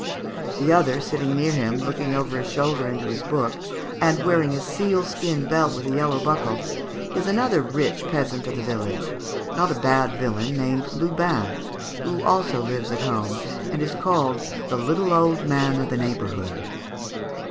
The other sitting near him, looking over his shoulder into his book, and wearing a sealskin belt with a yellow buckle, is another rich peasant of the village, not a bad villain, named Lubin, who also lives at home, and is called the little old man of the neighbourhood."